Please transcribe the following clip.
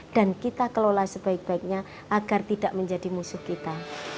dan kita kelola sebaik baiknya agar tidak menjadi musuh kita